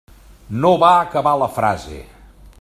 No va acabar la frase.